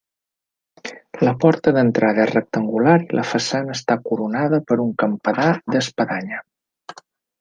La porta d'entrada és rectangular i la façana està coronada per un campanar d'espadanya.